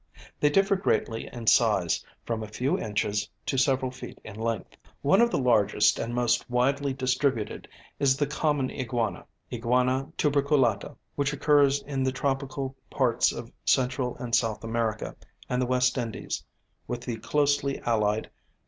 They differ greatly in size, from a few inches to several feet in length. [Illustration: FIG. 1. Iguana.] One of the largest and most widely distributed is the common iguana (Iguana tuberculata), which occurs in the tropical parts of Central and South America and the West Indies, with the closely allied _I.